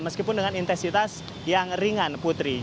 meskipun dengan intensitas yang ringan putri